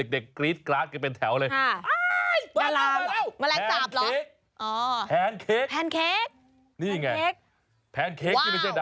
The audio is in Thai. เด็กกรี๊ดกร้าวจะเป็นแถวเลย